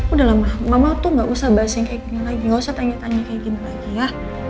udah lah ma mama tuh gak usah bahas yang kayak gini lagi gak usah tanya tanya kayak gini lagi ya